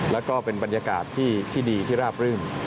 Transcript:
แล้วก็เป็นบรรยากาศที่ดีที่ราบรื่น